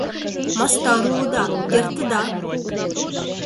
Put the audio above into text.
— Мастар улыда, кертыда!